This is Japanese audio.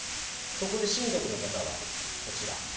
そこで親族の方は、こちら。